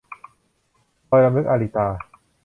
รอยรำลึก - อาริตา